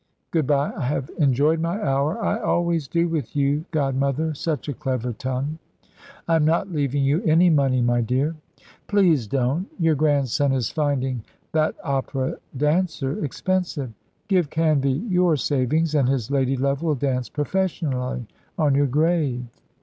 Good bye. I have enjoyed my hour. I always do with you, godmother. Such a clever tongue!" "I am not leaving you any money, my dear." "Please don't. Your grandson is finding that opera dancer expensive. Give Canvey your savings, and his lady love will dance professionally on your grave."